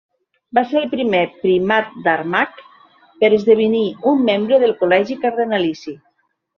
Va ser el primer Primat d'Armagh per esdevenir un membre del Col·legi Cardenalici.